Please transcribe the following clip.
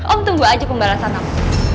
om tunggu aja pembalasan kamu